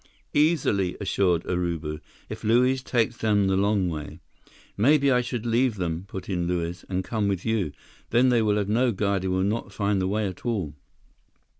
"Easily," assured Urubu, "if Luiz takes them the long way." "Maybe I should leave them," put in Luiz, "and come with you. Then they will have no guide and will not find the way at all."